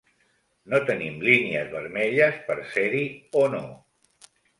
No tenim línies vermelles per ser-hi o no.